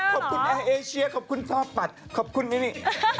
ขอบคุณแอร์เอเชียขอบคุณฟ่าปัดขอบคุณนี่นี่